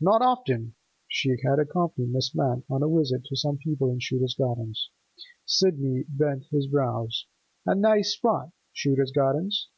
Not often. She had accompanied Miss Lant on a visit to some people in Shooter's Gardens. Sidney bent his brows. A nice spot, Shooter's Gardens.